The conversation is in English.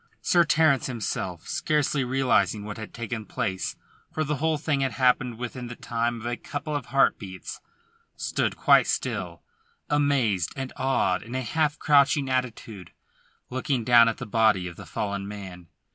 Sir Terence himself, scarcely realising what had taken place, for the whole thing had happened within the time of a couple of heart beats, stood quite still, amazed and awed, in a half crouching attitude, looking down at the body of the fallen man.